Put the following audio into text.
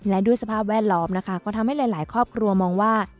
และด้วยสภาพแวดล้อมนะคะก็ทำให้หลายครอบครัวมองว่า